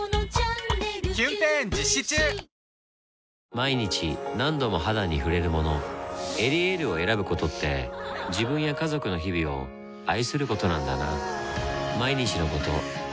毎日何度も肌に触れるもの「エリエール」を選ぶことって自分や家族の日々を愛することなんだなぁ